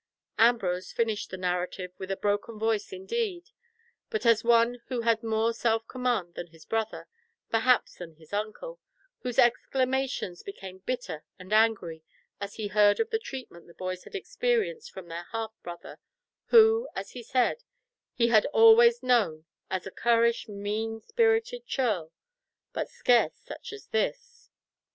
Ambrose finished the narrative with a broken voice indeed, but as one who had more self command than his brother, perhaps than his uncle, whose exclamations became bitter and angry as he heard of the treatment the boys had experienced from their half brother, who, as he said, he had always known as a currish mean spirited churl, but scarce such as this.